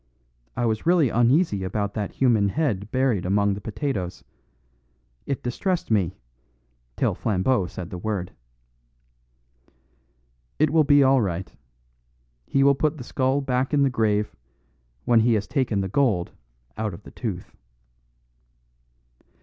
I was really uneasy about that human head buried among the potatoes. It distressed me till Flambeau said the word. "It will be all right. He will put the skull back in the grave, when he has taken the gold out of the tooth."